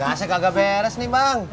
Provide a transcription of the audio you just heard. gasnya kagak beres nih bang